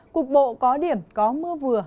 cục bộ có điểm có mưa vừa